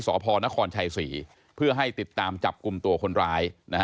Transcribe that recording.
สพนครชัยศรีเพื่อให้ติดตามจับกลุ่มตัวคนร้าย